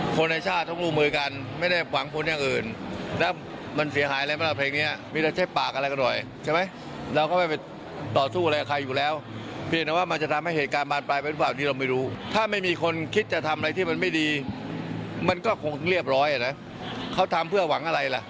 พูดไงพูดอย่างเดียวกัน